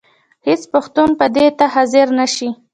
هېڅ پښتون به دې ته حاضر نه شي.